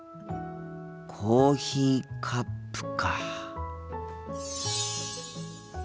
コーヒーカップか。